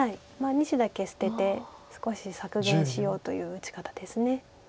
２子だけ捨てて少し削減しようという打ち方です。